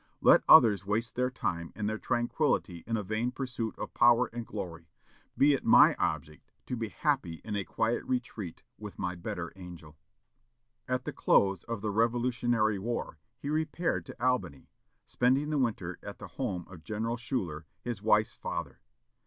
Let others waste their time and their tranquillity in a vain pursuit of power and glory; be it my object to be happy in a quiet retreat, with my better angel." At the close of the Revolutionary War, he repaired to Albany, spending the winter at the home of General Schuyler, his wife's father.